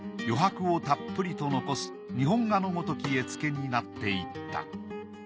余白をたっぷりと残す日本画のごとき絵付けになっていった。